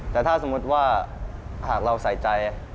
แต่ถ้าสมมุติว่าบุรุษเราสา